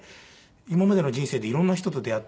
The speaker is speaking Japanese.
今までの人生で色んな人と出会って。